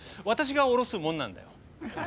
私が降ろすもんなんだよ。